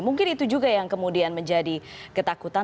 mungkin itu juga yang kemudian menjadi ketakutan